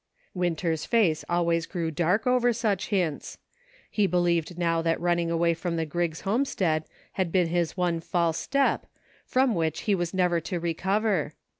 Winter's face always grew dark over such hints ; he believed now that running away from the Griggs homestead had been his one false step, from which he was never to recover.